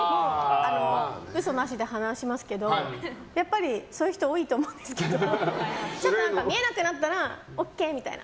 嘘なしで話しますけどやっぱりそういう人多いと思うんですけどちょっと見えなくなったらＯＫみたいな。